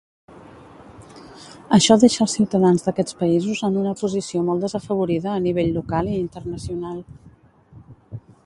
Això deixa els ciutadans d'aquests països en una posició molt desafavorida a nivell local i internacional.